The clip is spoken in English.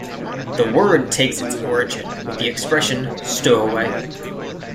The word takes its origin with the expression "stow away".